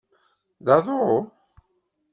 D aḍu?